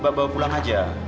mbak bawa pulang aja